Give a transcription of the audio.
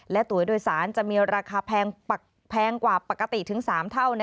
และตัวโดยสารจะมีราคาแพงกว่าปกติถึง๓เท่า